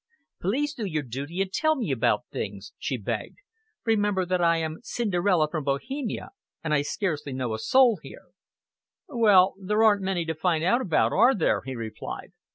"Please do your duty and tell me about things," she begged. "Remember that I am Cinderella from Bohemia, and I scarcely know a soul here." "Well, there aren't many to find out about, are there?" he replied.